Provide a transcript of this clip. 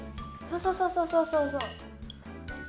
そうそうそうそう。